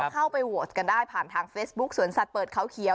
เข้าไปโหวตกันได้ผ่านทางเฟซบุ๊คสวนสัตว์เปิดเขาเขียว